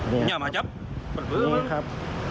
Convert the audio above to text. นี่ครับนี่ครับ